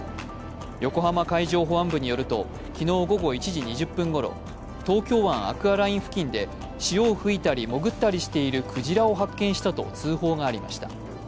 横浜海上保安部によると、昨日午後１時２０分ごろ東京湾アクアライン付近で潮を吹いたり潜ったりしているクジラを発見したと通報がありました。